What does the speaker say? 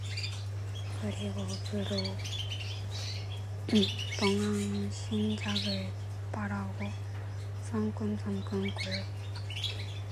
그리고 읍으로 통한 신작로를 바라고 성큼성큼 걸었다.